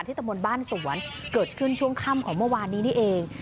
ตะมนต์บ้านสวนเกิดขึ้นช่วงค่ำของเมื่อวานนี้นี่เอง